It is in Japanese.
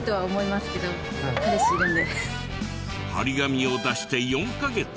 貼り紙を出して４カ月。